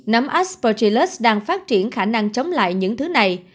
nấm asportilus đang phát triển khả năng chống lại những thứ này